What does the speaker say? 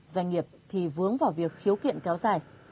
doanh nghiệp thì vướng vào việc khiếu kiện kéo dài